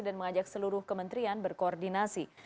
dan mengajak seluruh kementrian berkoordinasi